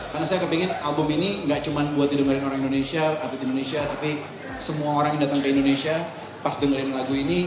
karena saya kepengen album ini gak cuma buat didengarkan orang indonesia atau di indonesia tapi semua orang yang datang ke indonesia pas dengerin lagu ini